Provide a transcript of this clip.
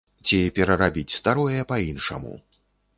Ці перарабіць старое па-іншаму.